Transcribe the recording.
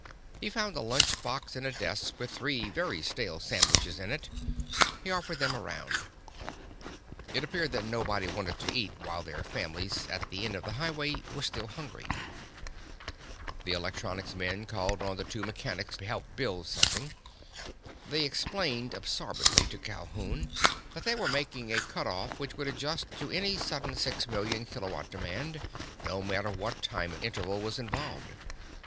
He found a lunch box in a desk with three very stale sandwiches in it. He offered them around. It appeared that nobody wanted to eat while their families—at the end of the highway—were still hungry. The electronics men called on the two mechanics to help build something. They explained absorbedly to Calhoun that they were making a cutoff which would adjust to any sudden six million kilowatt demand, no matter what time interval was involved.